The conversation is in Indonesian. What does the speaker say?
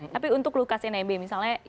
tapi untuk lukas nmb misalnya